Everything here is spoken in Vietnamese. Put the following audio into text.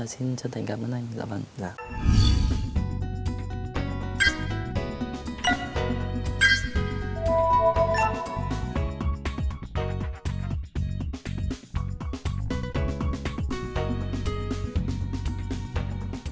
xin chân thành cảm ơn anh